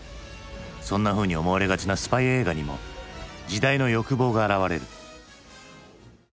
そんなふうに思われがちなスパイ映画にも時代の欲望が現れる。